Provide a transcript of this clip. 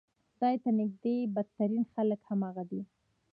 خدای ته نږدې بدترین خلک همغه دي.